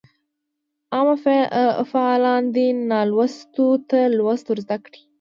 عام فعالان دي نالوستو ته لوست ورزده کړي.